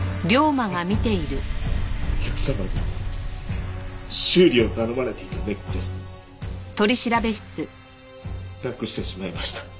お客様に修理を頼まれていたネックレスなくしてしまいました。